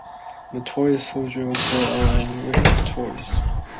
The Toy Soldier is also aligned with the Toys.